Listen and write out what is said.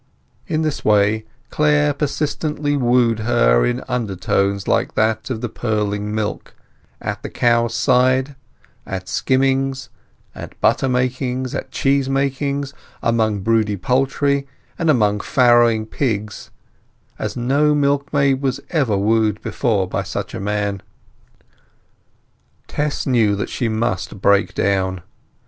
In this way Clare persistently wooed her in undertones like that of the purling milk—at the cow's side, at skimmings, at butter makings, at cheese makings, among broody poultry, and among farrowing pigs—as no milkmaid was ever wooed before by such a man. Tess knew that she must break down.